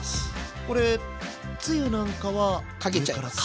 これつゆなんかはかけちゃいます。